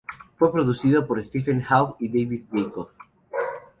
Fue producido por Stephen Hague y Dave Jacob.